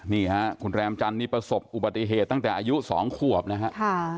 นี่ฮะคุณแรมจันทร์นี่ประสบอุบัติเหตุตั้งแต่อายุ๒ขวบนะฮะ